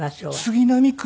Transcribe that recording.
杉並区。